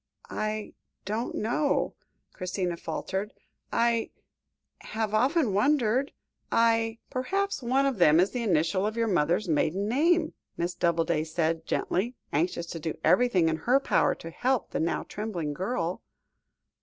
"I don't know," Christina faltered. "I have often wondered I " "Perhaps one of them is the initial of your mother's maiden name?" Miss Doubleday said gently, anxious to do everything in her power to help the now trembling girl.